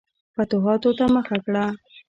فتوحاتو ته مخه کړه.